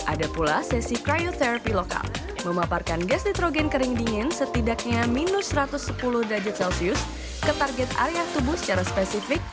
ada pula sesi cryotherapy lokal memaparkan gas nitrogen kering dingin setidaknya minus satu ratus sepuluh derajat celcius ke target area tubuh secara spesifik